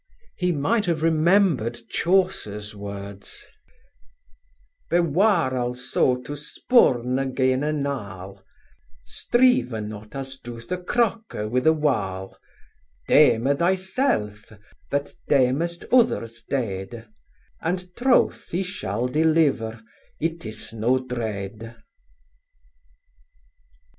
He might have remembered Chaucer's words: Beware also to spurne again a nall; Strive not as doeth a crocke with a wall; Deme thy selfe that demest others dede, And trouth thee shall deliver, it is no drede.